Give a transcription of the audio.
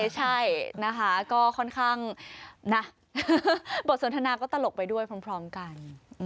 ใช่นะคะก็ค่อนข้างนะบทสนทนาก็ตลกไปด้วยพร้อมกัน